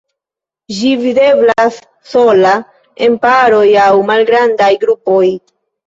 Ĝi videblas sola, en paroj aŭ malgrandaj grupoj.